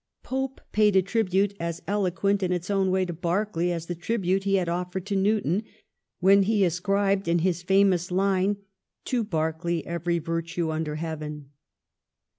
Pope paid a tribute as eloquent in its own way to Berkeley as the tribute he had offered to Newton, when he ascribed in his famous line ^To Berkeley every virtue under heaven.'